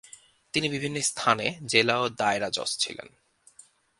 তিনি বিভিন্ন স্থানে জেলা ও দায়রা জজ ছিলেন।